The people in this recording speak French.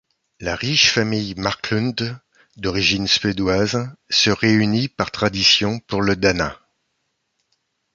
La riche famille Marklund, d'origine suédoise, se réunit par tradition pour le d'Hanna.